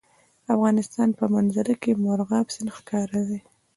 د افغانستان په منظره کې مورغاب سیند ښکاره دی.